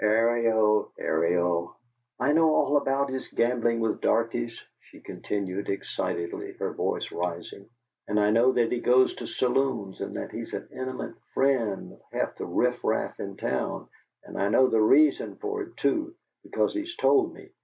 "Ariel! Ariel!" "I know all about his gambling with darkies," she continued, excitedly, her voice rising, "and I know that he goes to saloons, and that he's an intimate friend of half the riffraff in town; and I know the reason for it, too, because he's told me.